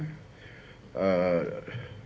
jadi kita harus berpengalaman